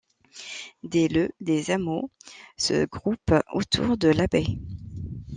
Dès le des hameaux se groupent autour de l'abbaye.